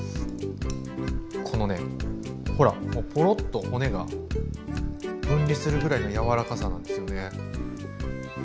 このねほらぽろっと骨が分離するぐらいの柔らかさなんですよね。